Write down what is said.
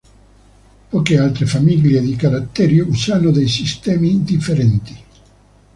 Poche altre famiglie di caratteri usano dei sistemi differenti.